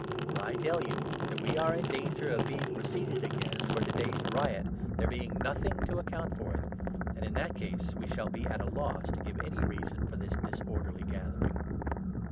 For I tell you that we are in danger of being pro 40 ceeded against for to day's riot, there being nothing to account for it ; and in that case we shall be at a loss to give any reason for this disorderly gathering."